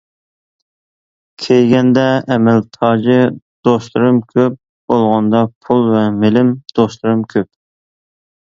كىيگەندە ئەمەل تاجى، دوستلىرىم كۆپ، بولغاندا پۇل ۋە مېلىم، دوستلىرىم كۆپ.